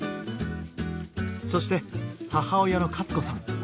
そして母親のカツ子さん。